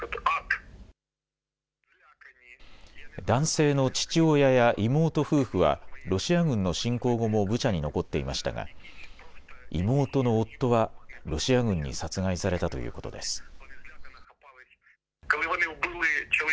男性の父親や妹夫婦はロシア軍の侵攻後もブチャに残っていましたが妹の夫はロシア軍に殺害されたということです。